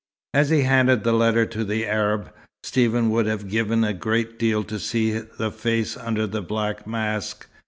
As he handed the letter to the Arab, Stephen would have given a great deal to see the face under the black mask.